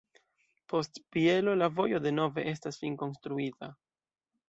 Post Bielo la vojo denove estas finkonstruita.